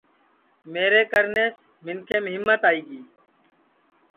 میرے کرنیس منکھیم ہیمت آئی گی